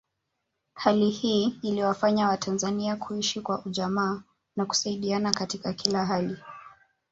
Hali hii iliwafanya watanzania kuishi kwa ujamaa na kusaidiana katika kila hali